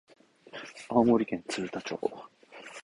青森県鶴田町